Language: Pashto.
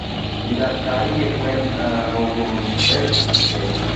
هدايتکار ئې Kevin Reynolds دے